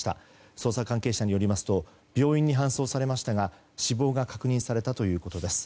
捜査関係者によりますと病院に搬送されましたが死亡が確認されたということです。